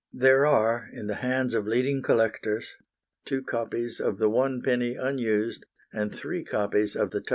There are in the hands of leading collectors two copies of the 1d. unused, and three copies of the 2d.